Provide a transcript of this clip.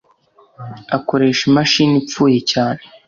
akoresha imashini ipfuye cyane